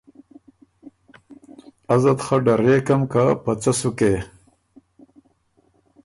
ازه ت خه ډرېکم که په څۀ سُکې۔